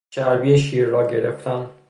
چربی شیر را گرفتن